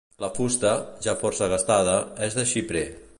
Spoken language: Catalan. La fusta, ja força gastada, és de xiprer.